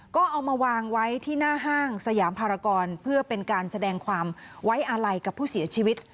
ก็เอามาวางไว้ที่หน้าห้างสยามภารกรเพื่อเป็นการแสดงความไว้อาลัยกับผู้เสียชีวิต